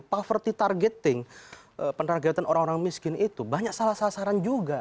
poverty targeting penergetan orang orang miskin itu banyak salah salah saran juga